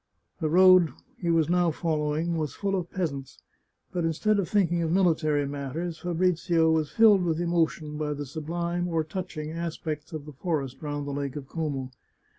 The road he was now following was full of peasants, but instead of thinking of military matters, Fabrizio was filled with emo tion by the sublime or touching aspects of the forest round the Lake of Como.